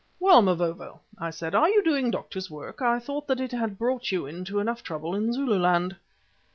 "Well, Mavovo," I said, "are you doing doctor's work? I thought that it had brought you into enough trouble in Zululand."